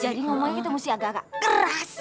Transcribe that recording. jadi ngomongnya itu mesti agak agak keras bok